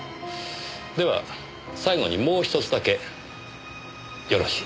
では最後にもう１つだけよろしいですか。